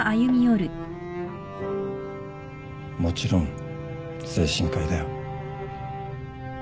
もちろん精神科医だよ。